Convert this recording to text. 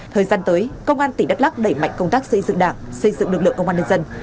thời gian tới công an tỉnh đắk lắc đẩy mạnh công tác xây dựng đảng xây dựng lực lượng công an nhân dân